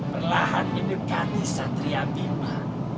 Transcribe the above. perlahan mendekati satria bima